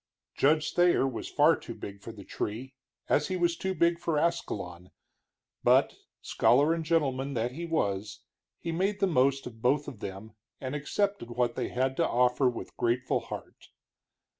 Judge Thayer was far too big for the tree, as he was too big for Ascalon, but, scholar and gentleman that he was, he made the most of both of them and accepted what they had to offer with grateful heart.